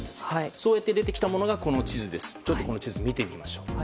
そうやって出てきたものがこの地図です、見てみましょう。